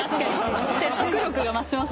説得力が増しますね。